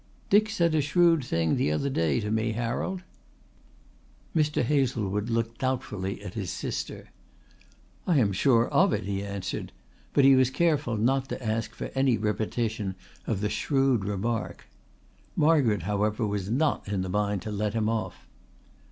"Dick said a shrewd thing the other day to me, Harold." Mr. Hazlewood looked doubtfully at his sister. "I am sure of it," he answered, but he was careful not to ask for any repetition of the shrewd remark. Margaret, however, was not in the mind to let him off.